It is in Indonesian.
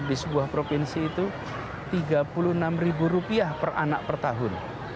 di sebuah provinsi itu rp tiga puluh enam per anak per tahun